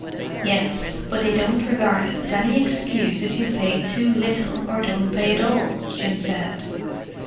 "Yes, but they don't regard it as any excuse if you pay too little, or don't pay at all," Jim said.